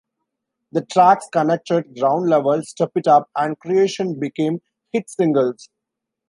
The tracks "Connected", "Ground Level", "Step It Up" and "Creation" became hit singles.